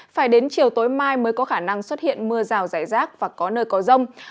phải đến chiều tối mai mới có khả năng xuất hiện mưa rào rải rác và có nơi có rông